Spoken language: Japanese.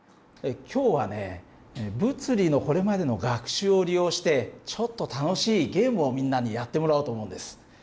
今日はね物理のこれまでの学習を利用してちょっと楽しいゲームをみんなにやってもらおうと思うんです。